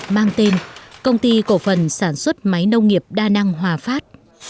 mang tên công ty cổ phần sản xuất máy nông nghiệp đa năng hòa phát